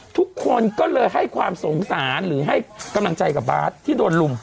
ทุกคนก็เลยให้ความสงสารหรือให้กำลังใจกับบาทที่โดนลุม